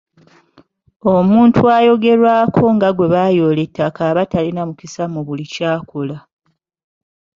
Omuntu ayogerwako nga gwe baayoola ettaka aba talina mukisa mu buli ky’akola.